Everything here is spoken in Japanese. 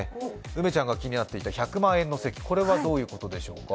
梅ちゃんが気になっていた１００万円の席、これはどういうことでしょうか？